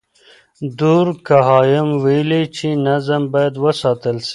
دورکهايم ويلي چي نظم بايد وساتل سي.